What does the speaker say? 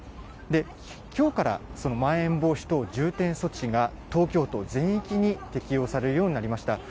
きょうからそのまん延防止等重点措置が、東京都全域に適用されるようになりました。